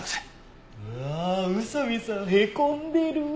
あーっ宇佐見さんへこんでる！